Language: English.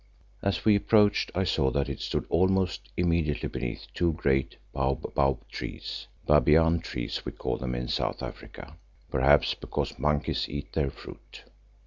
As we approached I saw that it stood almost immediately beneath two great baobab trees, babyan trees we call them in South Africa, perhaps because monkeys eat their fruit.